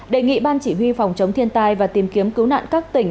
đề nghị ban chỉ huy phòng chống thiên tai và tìm kiếm cứu nạn các tỉnh